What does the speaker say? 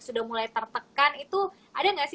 sudah mulai tertekan itu ada nggak sih